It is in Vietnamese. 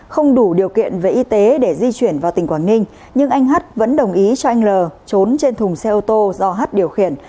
không đủ điều kiện về y tế để di chuyển vào tỉnh quảng ninh nhưng anh hát vẫn đồng ý cho anh l trốn trên thùng xe ô tô do h điều khiển